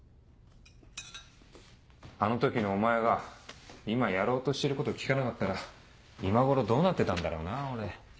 あの時のお前が今やろうとしてること聞かなかったら今頃どうなってたんだろうな俺。